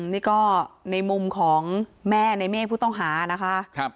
นี่ก็ในมุมของแม่ในเมฆผู้ต้องหานะคะ